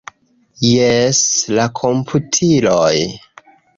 Jes, la komputiloj.